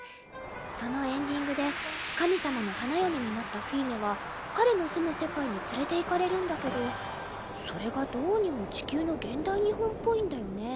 そのエンディングで神様の花嫁になったフィーネは彼の住む世界に連れていかれるんだけどそれがどうにも地球の現代日本っぽいんだよね。